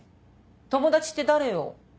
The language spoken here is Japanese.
友達って誰よ。